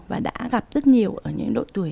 và đã gặp rất nhiều ở những đội tuổi